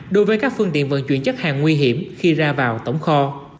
đối với các phương tiện vận chuyển chất hàng nguy hiểm khi ra vào tổng kho